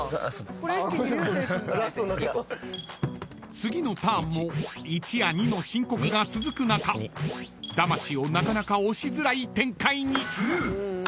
［次のターンも１や２の申告が続く中ダマシをなかなか押しづらい展開に］